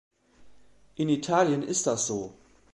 In Italien ist das so.